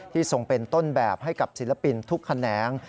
ทรงเป็นต้นแบบให้กับศิลปินทุกแขนง